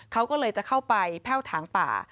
เขาก็เลยจะเข้าไปแพ่วถางป่า